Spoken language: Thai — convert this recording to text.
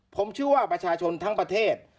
ผมเชื่อว่าประชาชนทั้งประเทศ